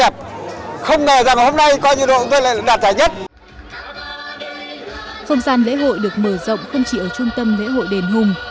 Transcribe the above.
không gian lễ hội được mở rộng không chỉ ở trung tâm lễ hội đền hùng